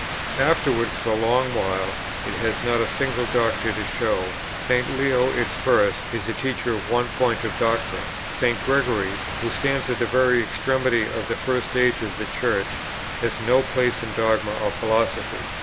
Afterwards for a long while, it has not a single doctor to show; St. Leo, its first, is the teacher of one point of doctrine; St. Gregory, who stands at the very extremity of the first age of the Church, has no place in dogma or philosophy.